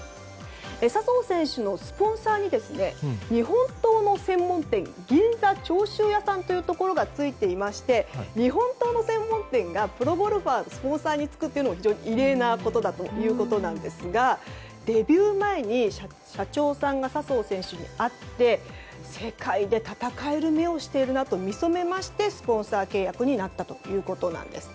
笹生選手のスポンサーに日本刀の専門店銀座長州屋さんというところがついていまして日本刀の専門店がプロゴルファーのスポンサーにつくのも非常に異例なことだということですがデビュー前に社長さんが笹生選手に会って世界で戦える目をしているなと見初めましてスポンサー契約になったということなんです。